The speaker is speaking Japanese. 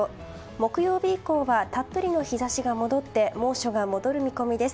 木曜日以降はたっぷりの日差しが戻って猛暑が戻る見込みです。